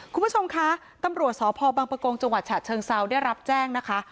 คุณผู้ชมคะตำรวจสภบังประกงจฉเชิงเซาได้รับแจ้งนะคะ